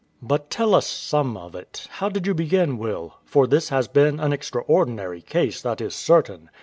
R.C. But tell us some of it: how did you begin, Will? For this has been an extraordinary case, that is certain.